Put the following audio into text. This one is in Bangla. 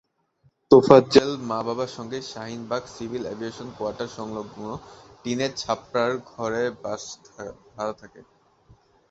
তোফাজ্জল মা-বাবার সঙ্গে শাহীনবাগ সিভিল অ্যাভিয়েশন কোয়ার্টারসংলগ্ন টিনের ছাপরা ঘরে ভাড়া থাকে।